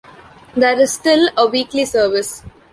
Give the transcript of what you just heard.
There is still a weekly service.